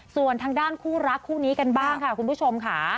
ส่วนทางด้านคู่รักคู่นี้กันบ้างค่ะคุณผู้ชมค่ะ